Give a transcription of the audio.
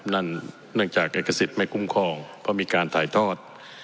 นั่นเนื่องจากเอกสิทธิ์ไม่คุ้มครองเพราะมีการถ่ายทอด